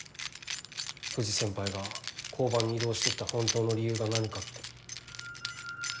藤先輩が交番に異動して来た本当の理由が何かって。